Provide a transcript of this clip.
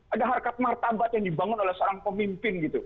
ada harkat martabat yang dibangun oleh seorang pemimpin gitu